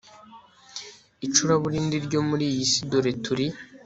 icuraburindi ryo muri iyi si dore turi